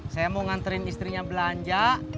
saya mau nganterin istrinya belanja